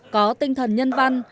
có tinh thần nhân văn